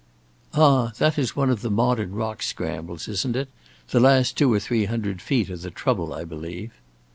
"Ah, that is one of the modern rock scrambles, isn't it? The last two or three hundred feet are the trouble, I believe."